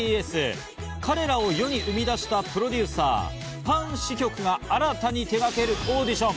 彼らを世に生み出したプロデューサー、パン・シヒョクが新たに手がけるオーディション。